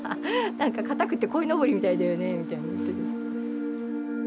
何かかたくてこいのぼりみたいだよねみたいに言ってる。